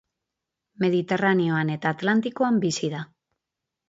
Mediterraneoan eta Atlantikoan bizi da.